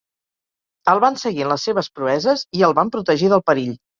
El van seguir en les seves proeses i el van protegir del perill.